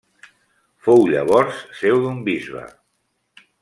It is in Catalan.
Fou llavors seu d'un bisbe.